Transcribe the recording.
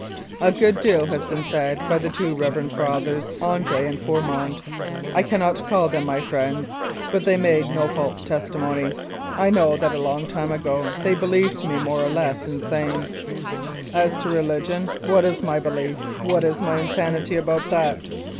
A good deal has been said by the two Reverend Fathers, Andr and Fourmond. I cannot call them my friends, but they made no false testimony. I know that a long time ago they believed me more or less insane. ... "As to religion, what is my belief? What is my insanity about that?